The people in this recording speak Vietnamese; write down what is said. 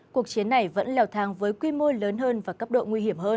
cuộc chiến này vẫn leo thang với quy mô lớn hơn và cấp độ nguy hiểm hơn